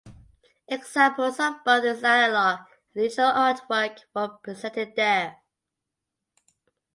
Examples of both his analog and digital art work were presented there.